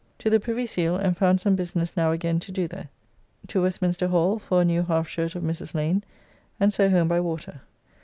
To the Privy Seal, and found some business now again to do there. To Westminster Hall for a new half shirt of Mrs. Lane, and so home by water.